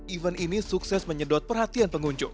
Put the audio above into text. event ini sukses menyedot perhatian pengunjung